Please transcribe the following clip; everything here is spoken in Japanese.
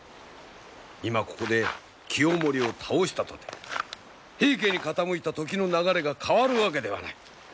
今ここで清盛を倒したとて平家に傾いた時の流れが変わるわけではない。